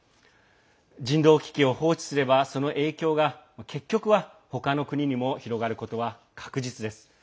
人道危機を放置すればその影響が結局は他の国にも広がることは確実です。